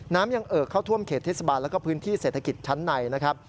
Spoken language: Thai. น้ำยังเอ่อเข้าท่วมเขตเทศบาลแล้วก็พื้นที่เศรษฐกิจชั้นในนะครับ